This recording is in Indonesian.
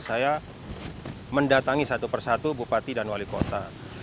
saya mendatangi satu persatu bupati dan wali kota